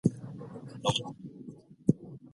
ایا ته هره ورځ غاښونه برس کوې؟